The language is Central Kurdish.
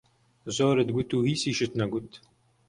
زۆرت گوت و هیچیشت نەگوت!